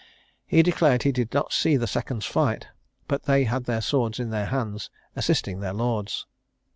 He declared he did not see the seconds fight; but they had their swords in their hands, assisting their lords."